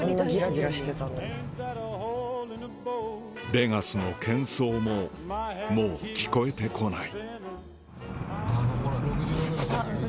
ベガスの喧騒ももう聞こえてこない